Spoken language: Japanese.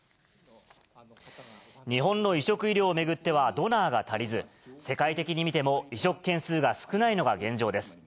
日本の移植医療を巡ってはドナーが足りず、世界的に見ても移植件数が少ないのが現状です。